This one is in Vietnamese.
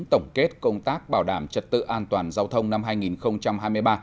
tổng kết công tác bảo đảm trật tự an toàn giao thông năm hai nghìn hai mươi ba